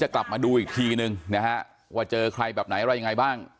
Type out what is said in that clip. กลับมาดูอีกทีนึงนะฮะว่าเจอใครแบบไหนอะไรยังไงบ้าง